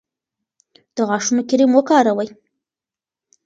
د غاښونو کریم وکاروئ.